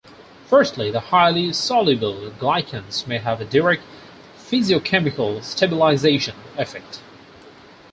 Firstly, the highly soluble glycans may have a direct physicochemical stabilisation effect.